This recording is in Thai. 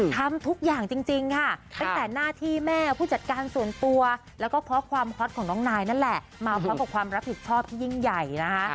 ทำทุกอย่างจริงค่ะตั้งแต่หน้าที่แม่ผู้จัดการส่วนตัวแล้วก็เพราะความฮอตของน้องนายนั่นแหละมาพร้อมกับความรับผิดชอบที่ยิ่งใหญ่นะคะ